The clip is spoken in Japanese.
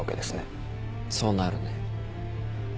そうなるね。